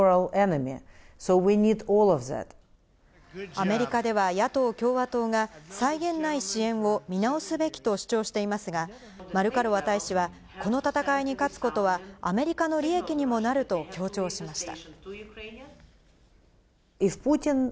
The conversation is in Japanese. アメリカでは野党・共和党が、際限ない支援を見直すべきと主張していますが、マルカロワ大使は、この戦いに勝つことは、アメリカの利益にもなると強調しました。